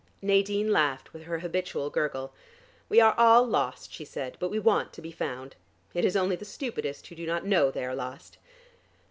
Nadine laughed with her habitual gurgle. "We are all lost," she said. "But we want to be found. It is only the stupidest who do not know they are lost.